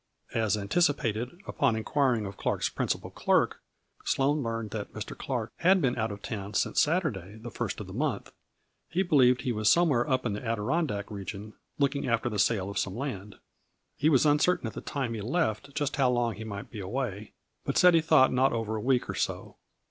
As anticipated, upon inquiring of Clark's principal clerk, Sloane learned that Mr. Clark had been out of town since Saturday, the A FLURRY IN DIAMONDS. 185 first of the month. He believed he was some where up in the Adirondack region, looking after the sale of some land. He was uncertain at the time he left just how long he might be away, but said he thought not over a week or so.